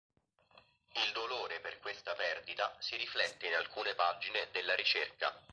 Il dolore per questa perdita si riflette in alcune pagine della "Ricerca".